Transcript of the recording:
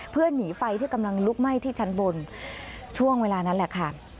เพื่อหนีไฟที่กำลังลุกไหม้ที่ชั้นบนช่วงเวลานั้นแหละค่ะ